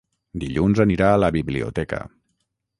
Dilluns anirà a la biblioteca.